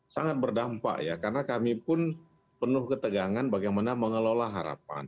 sangat berdampak ya karena kami pun penuh ketegangan bagaimana mengelola harapan